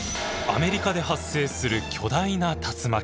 アメリカで発生する巨大な竜巻。